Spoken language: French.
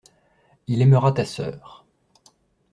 Il aimera ta sœur.